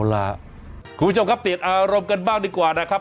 คุณผู้ชมครับเปลี่ยนอารมณ์กันบ้างดีกว่านะครับ